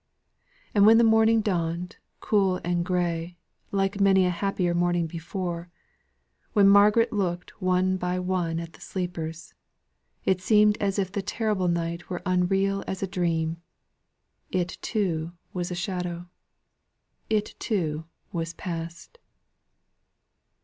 And when the morning dawned, cool and gray, like many a happier morning before when Margaret looked one by one at the sleepers, it seemed as if the terrible night were unreal as a dream; it, too, was a shadow. It, too, was past.